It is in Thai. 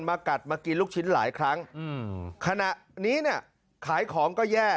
มากัดมากินลูกชิ้นหลายครั้งอืมขณะนี้เนี่ยขายของก็แย่